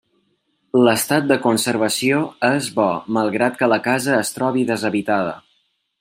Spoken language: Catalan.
L'estat de conservació és bo malgrat que la casa es trobi deshabitada.